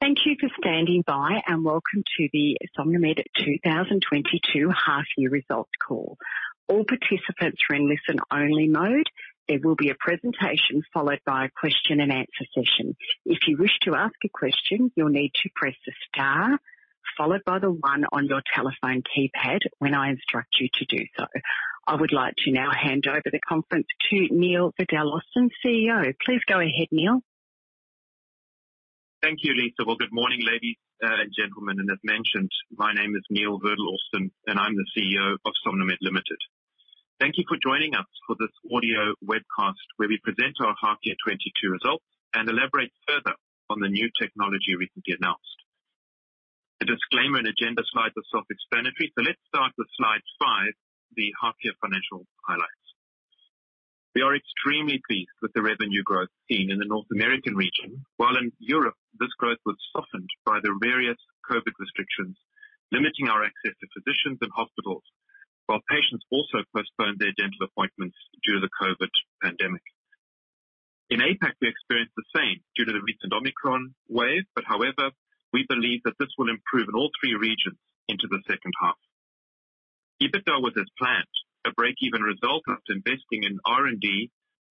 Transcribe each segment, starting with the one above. Thank you for standing by, and welcome to the SomnoMed 2022 half year results call. All participants are in listen-only mode. There will be a presentation followed by a question and answer session. If you wish to ask a question, you'll need to press star one on your telephone keypad when I instruct you to do so. I would like to now hand over the conference to Neil Verdal-Austin, CEO. Please go ahead, Neil. Thank you, Lisa. Well, good morning, ladies and gentlemen. As mentioned, my name is Neil Verdal-Austin, and I'm the CEO of SomnoMed Limited. Thank you for joining us for this audio webcast where we present our half-year 2022 results and elaborate further on the new technology recently announced. The disclaimer and agenda slides are self-explanatory, so let's start with slide five, the half-year financial highlights. We are extremely pleased with the revenue growth seen in the North American region. While in Europe, this growth was softened by the various COVID restrictions, limiting our access to physicians and hospitals, while patients also postponed their dental appointments due to the COVID pandemic. In APAC we experienced the same due to the recent Omicron wave, but however, we believe that this will improve in all three regions into the second half. EBITDA was as planned, a break-even result that's investing in R&D,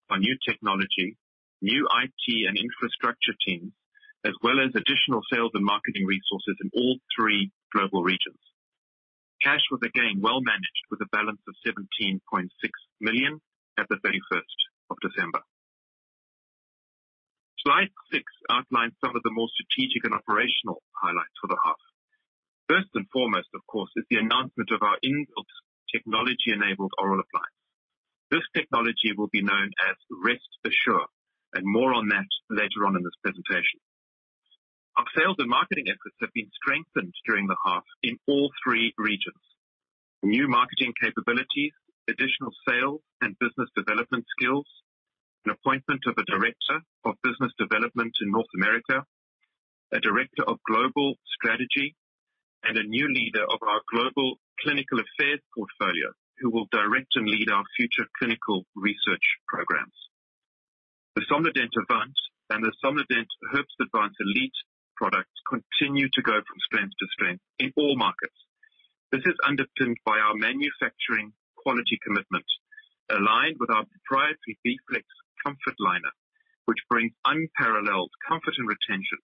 our new technology, new IT and infrastructure teams, as well as additional sales and marketing resources in all three global regions. Cash was again well managed with a balance of 17.6 million at the very first of December. Slide 6 outlines some of the more strategic and operational highlights for the half. First and foremost, of course, is the announcement of our in-built technology-enabled oral appliance. This technology will be known as Rest Assure, and more on that later on in this presentation. Our sales and marketing efforts have been strengthened during the half in all three regions. New marketing capabilities, additional sales and business development skills, an appointment of a director of business development in North America, a director of global strategy, and a new leader of our global clinical affairs portfolio who will direct and lead our future clinical research programs. The SomnoDent Avant and the SomnoDent Herbst Advance Elite products continue to go from strength to strength in all markets. This is underpinned by our manufacturing quality commitment, aligned with our proprietary Bflex Comfort Liner, which brings unparalleled comfort and retention,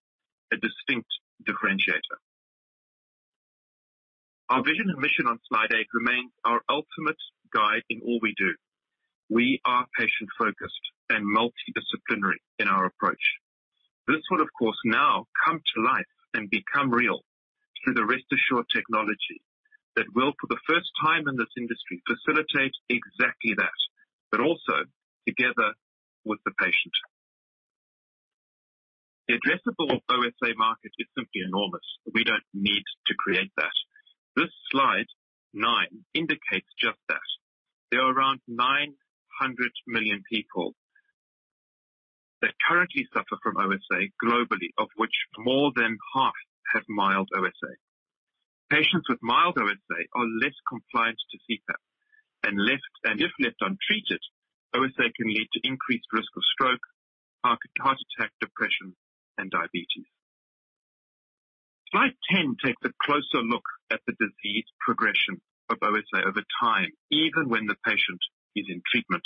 a distinct differentiator. Our vision and mission on slide eight remains our ultimate guide in all we do. We are patient-focused and multidisciplinary in our approach. This will of course now come to life and become real through the Rest Assure technology that will, for the first time in this industry, facilitate exactly that, but also together with the patient. The addressable OSA market is simply enormous. We don't need to create that. This slide 9 indicates just that. There are around 900 million people that currently suffer from OSA globally, of which more than half have mild OSA. Patients with mild OSA are less compliant to CPAP, and if left untreated, OSA can lead to increased risk of stroke, heart attack, depression, and diabetes. Slide 10 takes a closer look at the disease progression of OSA over time, even when the patient is in treatment.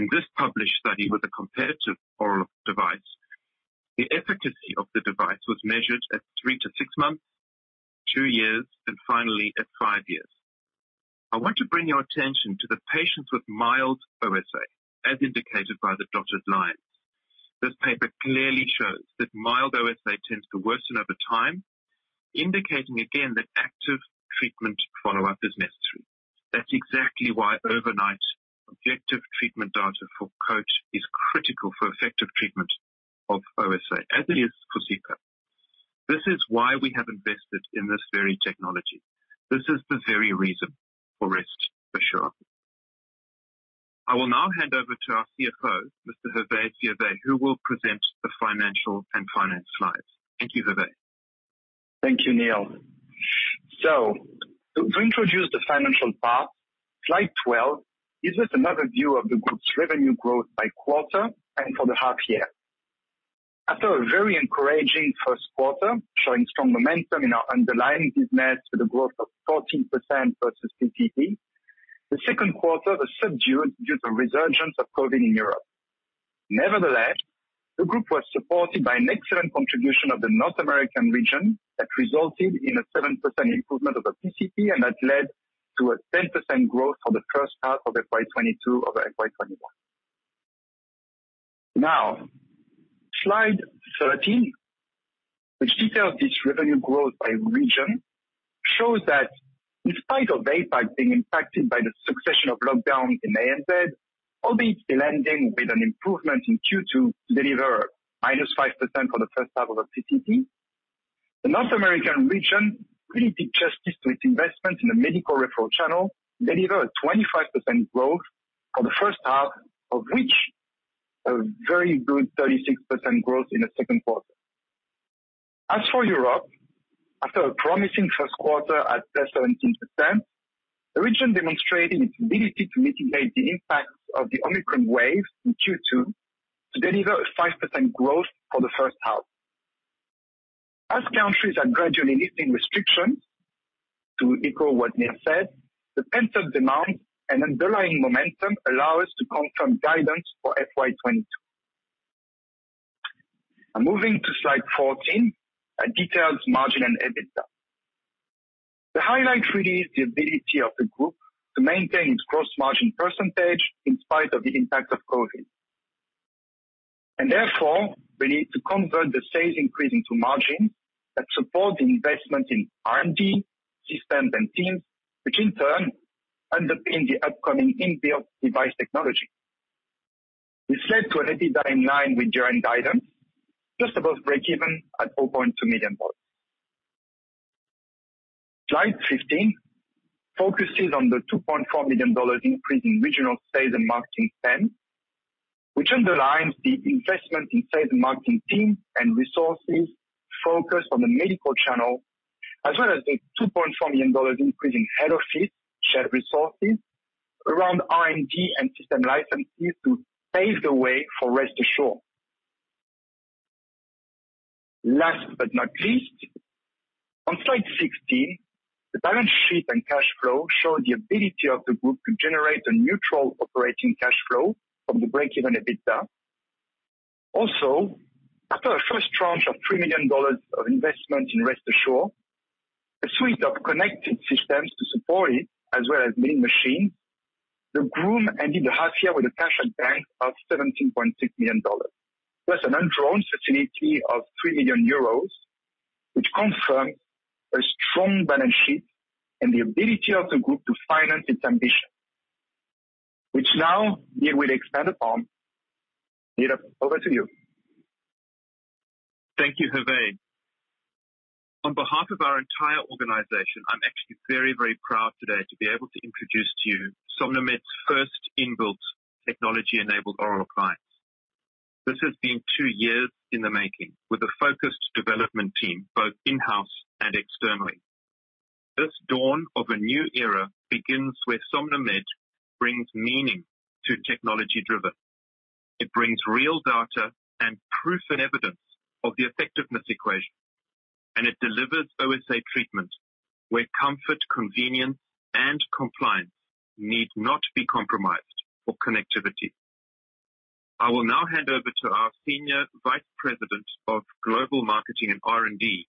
In this published study with a competitive oral device, the efficacy of the device was measured at three-six months, two years, and finally at five years. I want to bring your attention to the patients with mild OSA, as indicated by the dotted lines. This paper clearly shows that mild OSA tends to worsen over time, indicating again that active treatment follow-up is necessary. That's exactly why overnight objective treatment data for COAT is critical for effective treatment of OSA, as it is for CPAP. This is why we have invested in this very technology. This is the very reason for Rest Assure. I will now hand over to our CFO, Mr. Hervé Fiévet, who will present the financial and finance slides. Thank you, Hervé. Thank you, Neil. To introduce the financial part, slide 12 gives us another view of the group's revenue growth by quarter and for the half year. After a very encouraging first quarter, showing strong momentum in our underlying business with a growth of 14% versus pcp, the second quarter was subdued due to resurgence of COVID in Europe. Nevertheless, the group was supported by an excellent contribution of the North American region that resulted in a 7% improvement over pcp and that led to a 10% growth for the first half of FY 2022 over FY 2021. Now, slide 13, which details this revenue growth by region, shows that in spite of APAC being impacted by the succession of lockdowns in ANZ, albeit landing with an improvement in Q2 to deliver -5% for the first half of the PCP, the North American region really did justice to its investment in the medical referral channel, deliver a 25% growth for the first half of which a very good 36% growth in the second quarter. As for Europe. After a promising first quarter at +17%, the region demonstrated its ability to mitigate the impacts of the Omicron wave in Q2 to deliver a 5% growth for the first half. As countries are gradually lifting restrictions, to echo what Neil said, the pent-up demand and underlying momentum allow us to confirm guidance for FY 2022. Moving to slide 14, that details margin and EBITDA. The highlight really is the ability of the group to maintain its gross margin percentage in spite of the impact of COVID. Therefore, we need to convert the sales increase into margin that support the investment in R&D, systems and teams, which in turn underpin the upcoming in-built device technology. This led to an EBITDA in line with year-end guidance, just above break-even at $4.2 million. Slide 15 focuses on the $2.4 million increase in regional sales and marketing spend, which underlines the investment in sales and marketing team and resources focused on the medical channel. As well as the $2.4 million increase in head office shared resources around R&D and system licenses to pave the way for Rest Assure. Last but not least, on slide 16, the balance sheet and cash flow show the ability of the group to generate a neutral operating cash flow from the break-even EBITDA. Also, after a first tranche of 3 million dollars of investment in Rest Assure, a suite of connected systems to support it, as well as milling machine, the group ended the half year with a cash at bank of 17.6 million dollars, plus an undrawn facility of 3 million euros, which confirms a strong balance sheet and the ability of the group to finance its ambition. Which now, Neil will expand upon. Neil, over to you. Thank you, Hervé. On behalf of our entire organization, I'm actually very, very proud today to be able to introduce to you SomnoMed's first in-built technology-enabled oral appliance. This has been two years in the making with a focused development team, both in-house and externally. This dawn of a new era begins where SomnoMed brings meaning to technology-driven. It brings real data and proof and evidence of the effectiveness equation, and it delivers OSA treatment where comfort, convenience, and compliance need not be compromised for connectivity. I will now hand over to our Senior Vice President of Global Marketing and R&D,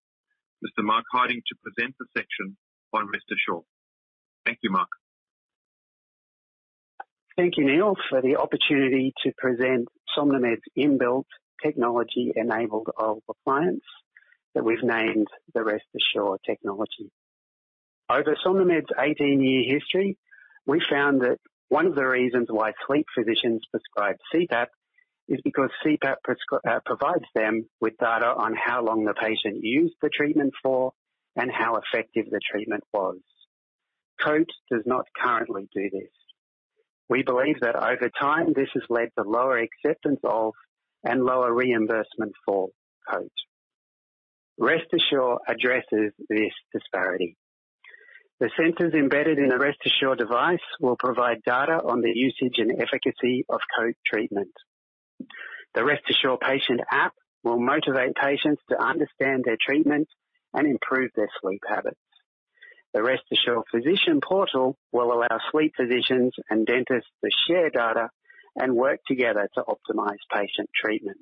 Mr. Mark Harding, to present the section on Rest Assure. Thank you, Mark. Thank you, Neil, for the opportunity to present SomnoMed's in-built technology-enabled oral appliance that we've named the Rest Assure technology. Over SomnoMed's 18-year history, we found that one of the reasons why sleep physicians prescribe CPAP is because CPAP provides them with data on how long the patient used the treatment for and how effective the treatment was. COAT does not currently do this. We believe that over time, this has led to lower acceptance of and lower reimbursement for COAT. Rest Assure addresses this disparity. The sensors embedded in the Rest Assure device will provide data on the usage and efficacy of COAT treatment. The Rest Assure patient app will motivate patients to understand their treatment and improve their sleep habits. The Rest Assure physician portal will allow sleep physicians and dentists to share data and work together to optimize patient treatment.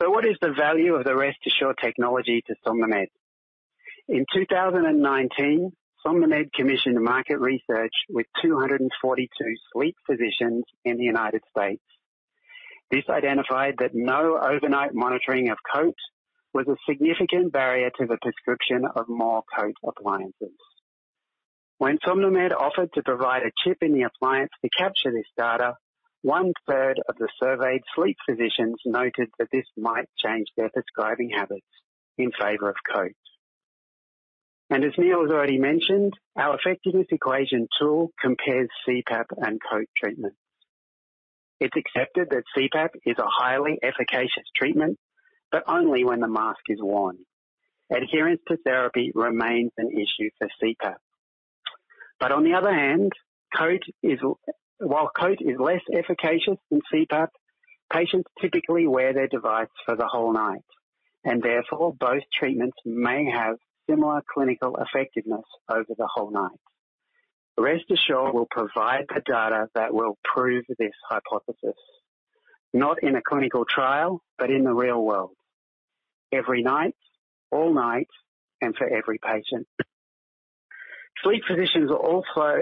What is the value of the Rest Assure technology to SomnoMed? In 2019, SomnoMed commissioned market research with 242 sleep physicians in the United States. This identified that no overnight monitoring of COAT was a significant barrier to the prescription of more COAT appliances. When SomnoMed offered to provide a chip in the appliance to capture this data, one-third of the surveyed sleep physicians noted that this might change their prescribing habits in favor of COAT. As Neil has already mentioned, our effectiveness equation tool compares CPAP and COAT treatment. It's accepted that CPAP is a highly efficacious treatment, but only when the mask is worn. Adherence to therapy remains an issue for CPAP. On the other hand, COAT is. While COAT is less efficacious than CPAP, patients typically wear their device for the whole night, and therefore, both treatments may have similar clinical effectiveness over the whole night. Rest Assure will provide the data that will prove this hypothesis, not in a clinical trial, but in the real world. Every night, all night, and for every patient. Sleep physicians also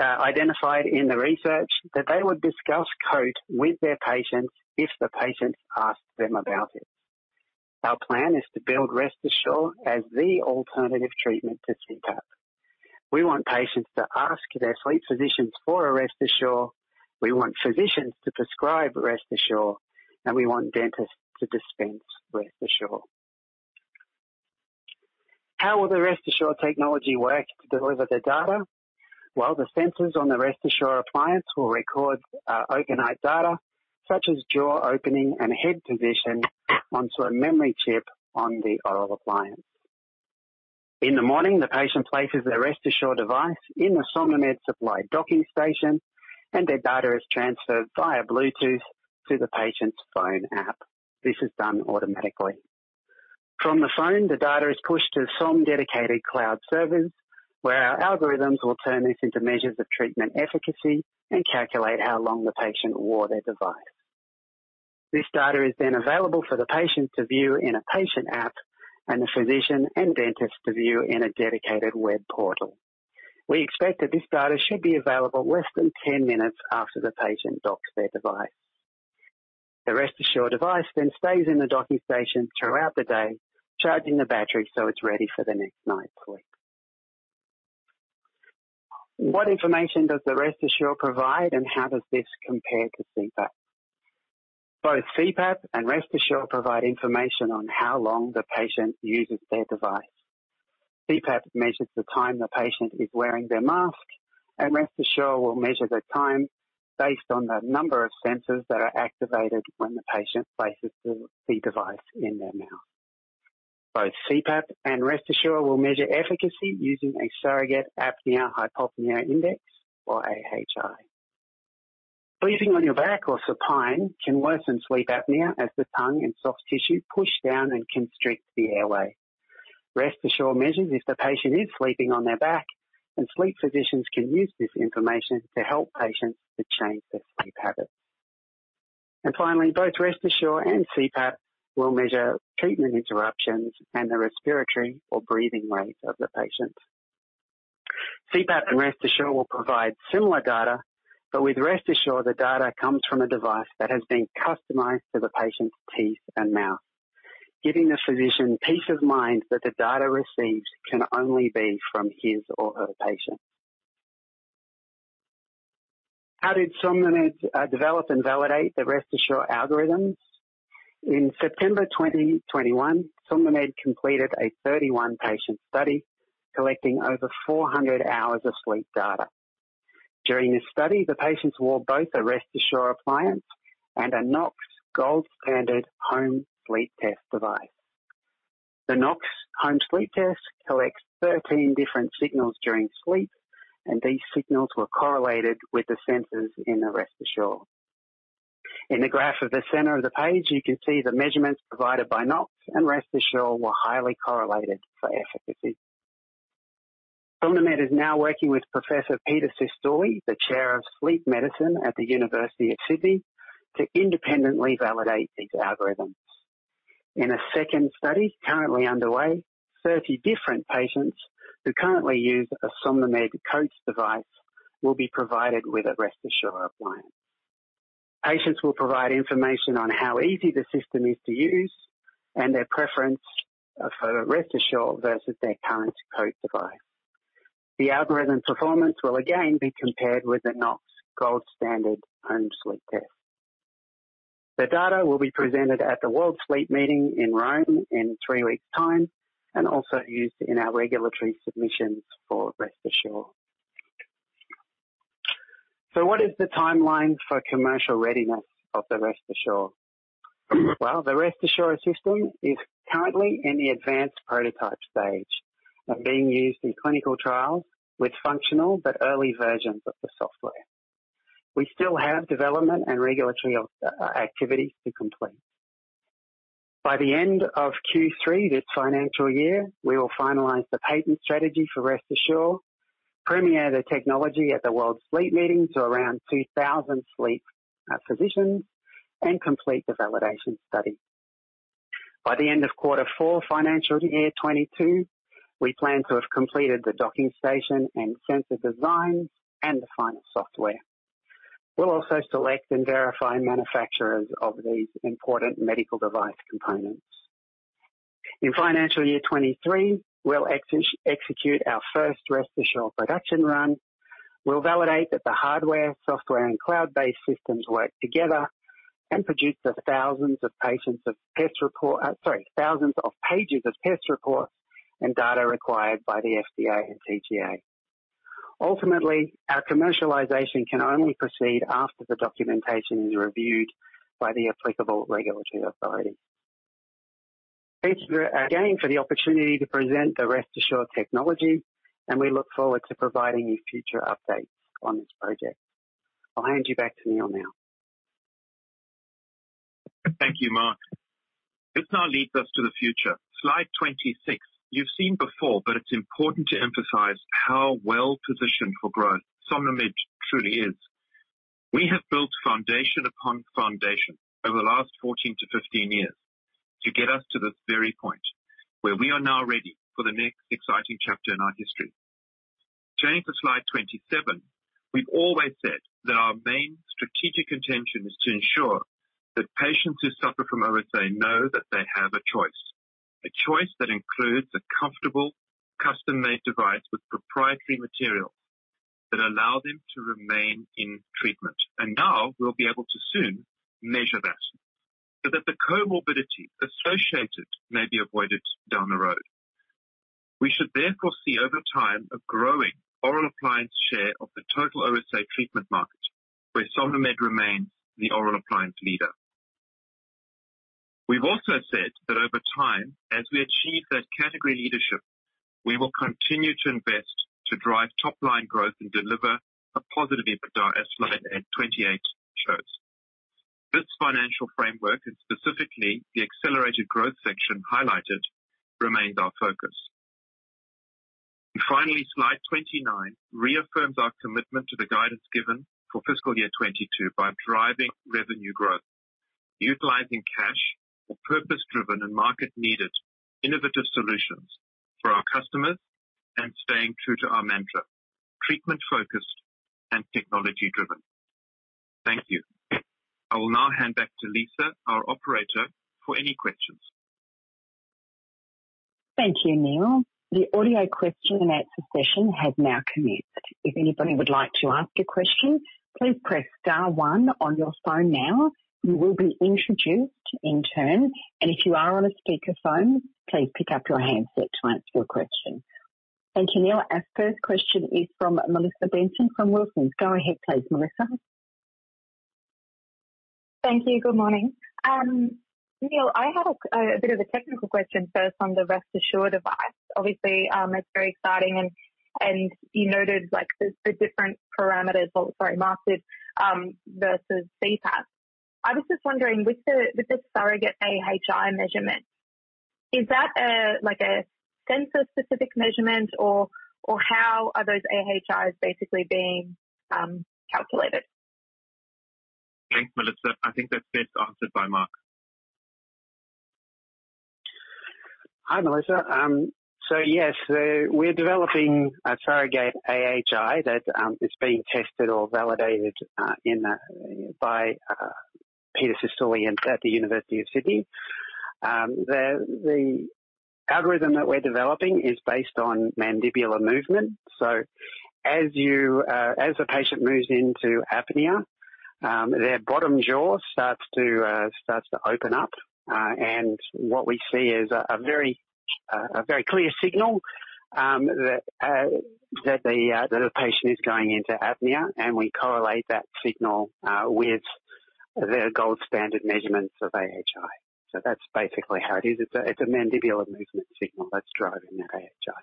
identified in the research that they would discuss COAT with their patients if the patients asked them about it. Our plan is to build Rest Assure as the alternative treatment to CPAP. We want patients to ask their sleep physicians for a Rest Assure, we want physicians to prescribe Rest Assure, and we want dentists to dispense Rest Assure. How will the Rest Assure technology work to deliver the data? Well, the sensors on the Rest Assure appliance will record overnight data such as jaw opening and head position onto a memory chip on the oral appliance. In the morning, the patient places their Rest Assure device in the SomnoMed supplied docking station, and their data is transferred via Bluetooth to the patient's phone app. This is done automatically. From the phone, the data is pushed to SomnoMed dedicated cloud servers, where our algorithms will turn this into measures of treatment efficacy and calculate how long the patient wore their device. This data is then available for the patient to view in a patient app and the physician and dentist to view in a dedicated web portal. We expect that this data should be available less than 10 minutes after the patient docks their device. The Rest Assure device then stays in the docking station throughout the day, charging the battery so it's ready for the next night's sleep. What information does the Rest Assure provide, and how does this compare to CPAP? Both CPAP and Rest Assure provide information on how long the patient uses their device. CPAP measures the time the patient is wearing their mask, and Rest Assure will measure the time based on the number of sensors that are activated when the patient places the device in their mouth. Both CPAP and Rest Assure will measure efficacy using a surrogate apnea-hypopnea index or AHI. Sleeping on your back or supine can worsen sleep apnea as the tongue and soft tissue push down and constrict the airway. Rest Assure measures if the patient is sleeping on their back, and sleep physicians can use this information to help patients to change their sleep habits. Finally, both Rest Assure and CPAP will measure treatment interruptions and the respiratory or breathing rates of the patient. CPAP and Rest Assure will provide similar data, but with Rest Assure, the data comes from a device that has been customized to the patient's teeth and mouth, giving the physician peace of mind that the data received can only be from his or her patient. How did SomnoMed develop and validate the Rest Assure algorithms? In September 2021, SomnoMed completed a 31-patient study collecting over 400 hours of sleep data. During this study, the patients wore both a Rest Assure appliance and a Nox gold standard home sleep test device. The Nox home sleep test collects 13 different signals during sleep, and these signals were correlated with the sensors in the Rest Assure. In the graph at the center of the page, you can see the measurements provided by Nox and Rest Assure were highly correlated for efficacy. SomnoMed is now working with Professor Peter Cistulli, the chair of sleep medicine at the University of Sydney, to independently validate these algorithms. In a second study currently underway, 30 different patients who currently use a SomnoMed COAT device will be provided with a Rest Assure appliance. Patients will provide information on how easy the system is to use and their preference for the Rest Assure versus their current COAT device. The algorithm performance will again be compared with the Nox gold standard home sleep test. The data will be presented at the World Sleep meeting in Rome in three weeks time and also used in our regulatory submissions for Rest Assure. What is the timeline for commercial readiness of the Rest Assure? Well, the Rest Assure system is currently in the advanced prototype stage and being used in clinical trials with functional but early versions of the software. We still have development and regulatory activities to complete. By the end of Q3 this financial year, we will finalize the patent strategy for Rest Assure, premiere the technology at the World Sleep meeting to around 2000 sleep physicians, and complete the validation study. By the end of quarter four financial year 2022, we plan to have completed the docking station and sensor design and the final software. We'll also select and verify manufacturers of these important medical device components. In financial year 2023, we'll execute our first Rest Assure production run. We'll validate that the hardware, software, and cloud-based systems work together and produce thousands of pages of test reports and data required by the FDA and TGA. Ultimately, our commercialization can only proceed after the documentation is reviewed by the applicable regulatory authority. Thanks again for the opportunity to present the Rest Assure technology, and we look forward to providing you future updates on this project. I'll hand you back to Neil now. Thank you, Mark. This now leads us to the future. Slide 26. You've seen before, but it's important to emphasize how well-positioned for growth SomnoMed truly is. We have built foundation upon foundation over the last 14 to 15 years to get us to this very point where we are now ready for the next exciting chapter in our history. Turning to slide 27. We've always said that our main strategic intention is to ensure that patients who suffer from OSA know that they have a choice, a choice that includes a comfortable custom-made device with proprietary materials that allow them to remain in treatment. Now we'll be able to soon measure that. So that the comorbidity associated may be avoided down the road. We should therefore see over time a growing oral appliance share of the total OSA treatment market, where SomnoMed remains the oral appliance leader. We've also said that over time, as we achieve that category leadership, we will continue to invest to drive top-line growth and deliver a positive EBITDA, as slide 28 shows. This financial framework, and specifically the accelerated growth section highlighted, remains our focus. Finally, slide 29 reaffirms our commitment to the guidance given for fiscal year 2022 by driving revenue growth, utilizing cash for purpose-driven and market-needed innovative solutions for our customers, and staying true to our mantra, treatment-focused and technology-driven. Thank you. I will now hand back to Lisa, our operator, for any questions. Thank you, Neil. The audio question and answer session has now commenced. If anybody would like to ask a question, please press star one on your phone now. You will be introduced in turn. If you are on a speakerphone, please pick up your handset to answer your question. Thank you, Neil. Our first question is from Melissa Benson from Wilsons. Go ahead please, Melissa. Thank you. Good morning. Neil, I had a bit of a technical question first on the Rest Assure device. Obviously, it's very exciting and you noted like the different markets versus CPAP. I was just wondering with the surrogate AHI measurement, is that like a sensor-specific measurement or how are those AHIs basically being calculated? Thanks, Melissa. I think that's best answered by Mark. Hi, Melissa. We're developing a surrogate AHI that is being tested or validated by Peter Cistulli at the University of Sydney. The algorithm that we're developing is based on mandibular movement. As a patient moves into apnea, their bottom jaw starts to open up. What we see is a very clear signal that the patient is going into apnea, and we correlate that signal with the gold standard measurements of AHI. That's basically how it is. It's a mandibular movement signal that's driving that AHI.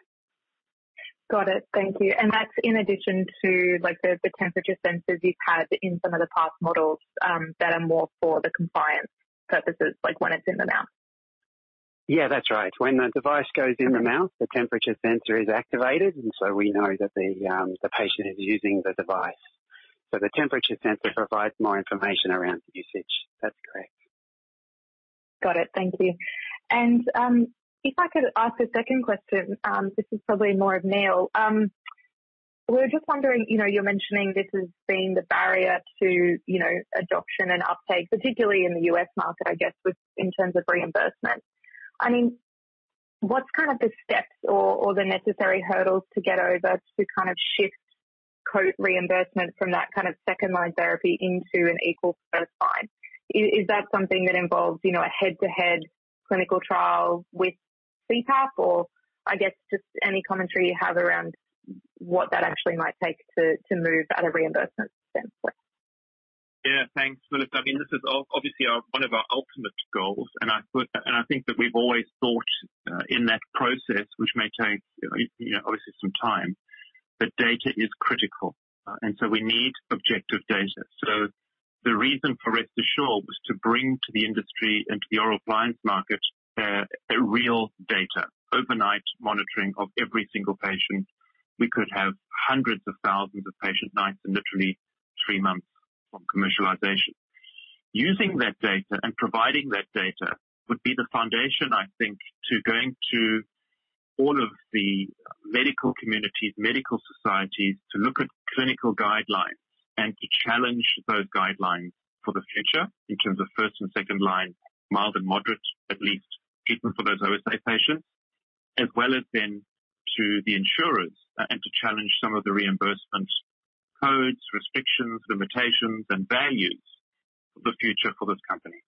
Got it. Thank you. That's in addition to like the temperature sensors you've had in some of the past models, that are more for the compliance purposes, like when it's in the mouth. Yeah, that's right. When the device goes in the mouth, the temperature sensor is activated, and so we know that the patient is using the device. So the temperature sensor provides more information around usage. That's correct. Got it. Thank you. If I could ask a second question, this is probably more of Neil. We were just wondering, you know, you're mentioning this has been the barrier to, you know, adoption and uptake, particularly in the U.S. market, I guess, within terms of reimbursement. I mean, what's kind of the steps or the necessary hurdles to get over to kind of shift quote reimbursement from that kind of second-line therapy into an equal first line? Is that something that involves, you know, a head-to-head clinical trial with CPAP? Or I guess just any commentary you have around what that actually might take to move at a reimbursement standpoint. Yeah. Thanks, Melissa. I mean, this is obviously our one of our ultimate goals. I thought, and I think that we've always thought in that process, which may take you know some time, but data is critical. We need objective data. The reason for Rest Assure was to bring to the industry and to the oral appliance market a real data. Overnight monitoring of every single patient. We could have hundreds of thousands of patient nights in literally three months from commercialization. Using that data and providing that data would be the foundation, I think, to going to all of the medical communities, medical societies, to look at clinical guidelines and to challenge those guidelines for the future in terms of first- and second-line, mild and moderate, at least treatment for those OSA patients. As well as then to the insurers, and to challenge some of the reimbursement codes, restrictions, limitations and values for the future for this company.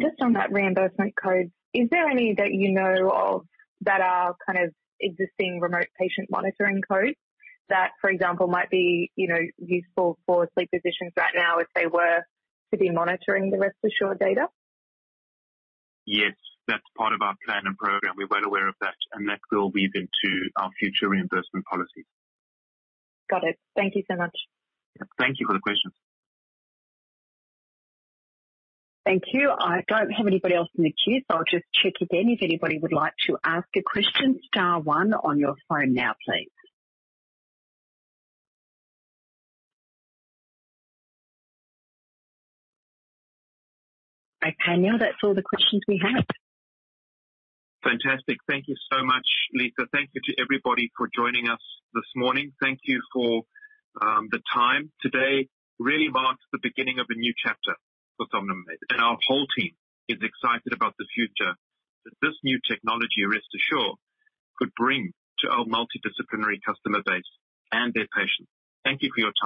Just on that reimbursement code, is there any that you know of that are kind of existing remote patient monitoring codes that, for example, might be, you know, useful for sleep physicians right now if they were to be monitoring the Rest Assure data? Yes. That's part of our plan and program. We're well aware of that, and that will weave into our future reimbursement policies. Got it. Thank you so much. Thank you for the question. Thank you. I don't have anybody else in the queue, so I'll just check again. If anybody would like to ask a question, star one on your phone now, please. Okay, Neil, that's all the questions we have. Fantastic. Thank you so much, Lisa. Thank you to everybody for joining us this morning. Thank you for the time. Today really marks the beginning of a new chapter for SomnoMed, and our whole team is excited about the future that this new technology, Rest Assure, could bring to our multidisciplinary customer base and their patients. Thank you for your time.